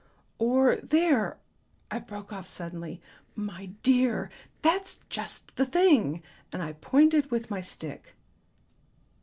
Or there," I broke off suddenly; "my dear, that's just the thing." And I pointed with my stick.